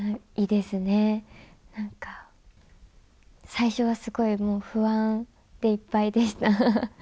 最初はすごく不安でいっぱいでした。